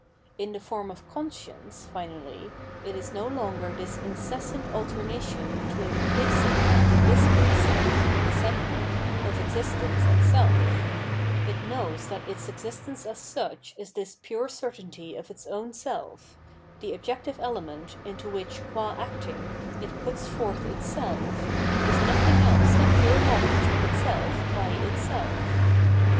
In the form of conscience, finally, it is no longer this incessant alterna tion between the " placing " and the " displacing " [dis sembling] of existence and self ; it knows that its existence as such is this pure certainty of its own self ; the objective element, into which qua acting it puts forth itself, is nothing else than pure knowledge of itself by itself.